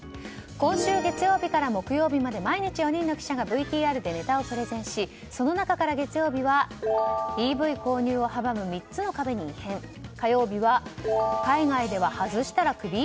今週月曜日から木曜日まで毎日４人の記者がＶＴＲでネタをプレゼンしその中から月曜日はＥＶ購入を阻む３つの壁に異変火曜日は海外では外したらクビ？